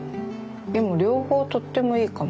でも両方とってもいいかも。